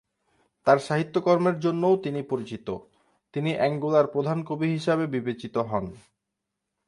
তার সাহিত্যকর্মের জন্যও তিনি পরিচিত, তিনি অ্যাঙ্গোলার প্রধান কবি হিসাবে বিবেচিত হন।